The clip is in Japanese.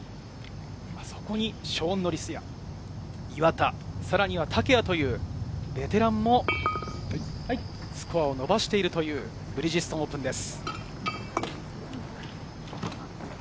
そこにショーン・ノリスや岩田、さらには竹谷というベテランもスコアを伸ばしているというブリヂストンオープンです。